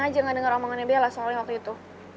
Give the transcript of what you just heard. gue ga sengaja ga denger omongannya bella soalnya waktu itu